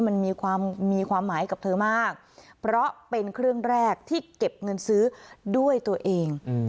มันมีความมีความหมายกับเธอมากเพราะเป็นเครื่องแรกที่เก็บเงินซื้อด้วยตัวเอง